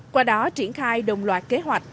qua đó triển khai đồng loạt kế hoạch